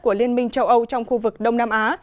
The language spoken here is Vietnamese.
của liên minh châu âu trong khu vực đông nam á